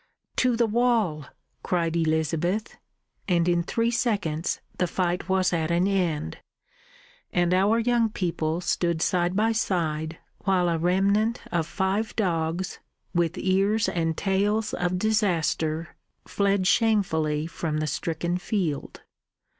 "To the wall!" cried Elizabeth; and in three seconds the fight was at an end, and our young people stood side by side, while a remnant of five dogs, with ears and tails of disaster, fled shamefully from the stricken field.